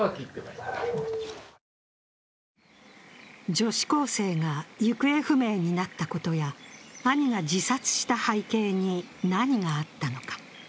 女子高生が行方不明になったことや兄が自殺した背景に何があったのか。